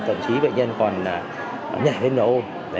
thậm chí bệnh nhân còn nhảy lên và ôm